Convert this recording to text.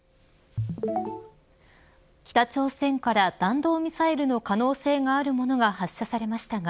北朝鮮から弾道ミサイルの可能性があるものが発射されましたが